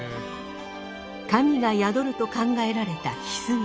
神が宿ると考えられた翡翠。